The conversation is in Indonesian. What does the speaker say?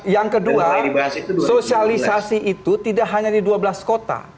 yang kedua sosialisasi itu tidak hanya di dua belas kota